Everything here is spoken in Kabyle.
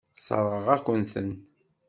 Sseṛɣeɣ-akent-ten.